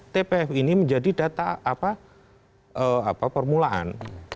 tpf ini menjadi data permulaan